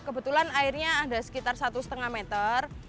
kebetulan airnya ada sekitar satu lima meter